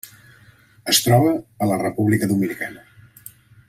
Es troba a la República Dominicana.